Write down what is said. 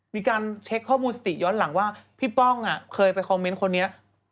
มีการเช็คข้อมูลสติย้อนหลังว่าพี่ป้องเคยไปคอมเมนต์คนนี้